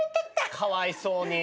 かわいそうに。